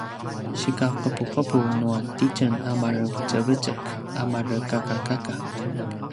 sikaqepuqepu nua titjen a marevetjevetjek a marekakakaka